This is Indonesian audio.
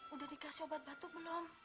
udah dikasih obat batuk belum